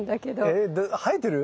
え生えてる？